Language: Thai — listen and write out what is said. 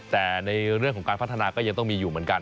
แต่ในเรื่องของการพัฒนาก็ยังต้องมีอยู่เหมือนกัน